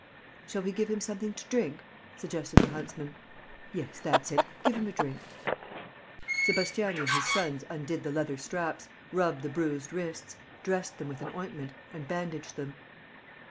"Shall we give him something to drink?" suggested the huntsman. "Yes, that's it, give him a drink." Sébastiani and his sons undid the leather straps, rubbed the bruised wrists, dressed them with an ointment and bandaged them.